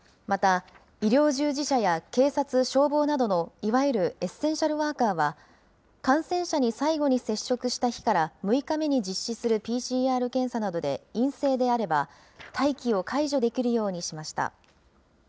また、医療従事者や警察・消防などのいわゆるエッセンシャルワーカーは、感染者に最後に接触した日から６日目に実施するＰＣＲ検査などで陰性であれば待機を解除できるようにしました。